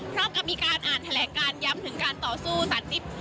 พร้อมกับมีการอ่านแถลงการย้ำถึงการต่อสู้ตัดซิบ